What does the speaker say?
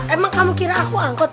emang kamu kira aku angkot